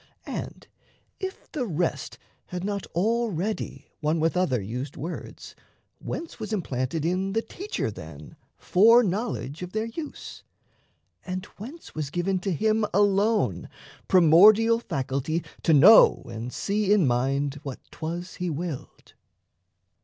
And, if the rest had not Already one with other used words, Whence was implanted in the teacher, then, Fore knowledge of their use, and whence was given To him alone primordial faculty To know and see in mind what 'twas he willed?